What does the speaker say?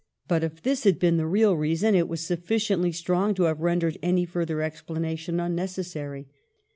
But if this had been the real reason, it was sufficiently strong to have ren dered any further explanation unnecessary.